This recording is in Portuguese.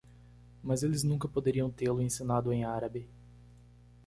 Mas eles nunca poderiam tê-lo ensinado em árabe.